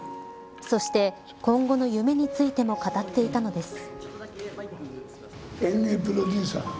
そして、今後の夢についても語っていたのです。